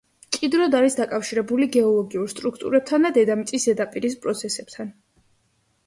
მჭიდროდ არის დაკავშირებული გეოლოგიურ სტრუქტურებთან და დედამიწის ზედაპირის პროცესებთან.